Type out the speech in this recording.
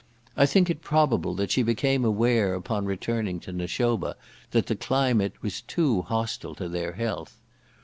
I think it probable that she became aware upon returning to Nashoba, that the climate was too hostile to their health.